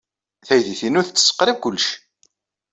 Taydit-inu tettett qrib kullec.